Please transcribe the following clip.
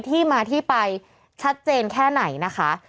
ที่มาที่ไปชัดเจนแค่ไหนนะคะ